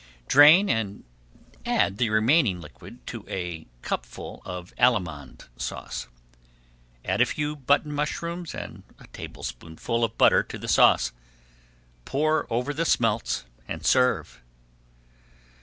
Drain, and add the remaining liquid to a cupful of Allemande Sauce. Add a few button mushrooms and a tablespoonful of butter to the sauce. Pour over the smelts and serve.